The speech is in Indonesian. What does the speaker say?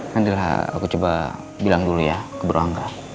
nanti lah aku coba bilang dulu ya ke bro angka